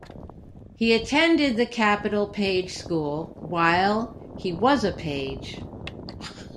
He attended the Capitol Page School while he was a Page.